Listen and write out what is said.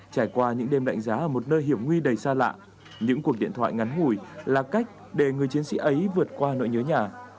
trải qua những đêm đánh giá ở một nơi hiểm nguy đầy xa lạ những cuộc điện thoại ngắn ngủi là cách để người chiến sĩ ấy vượt qua nỗi nhớ nhà